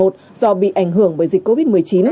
do bị ảnh hưởng bởi dịch covid một mươi chín